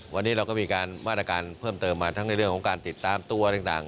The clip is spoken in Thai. วันนี้เราก็มีการมาตรการเพิ่มเติมมาทั้งในเรื่องของการติดตามตัวต่าง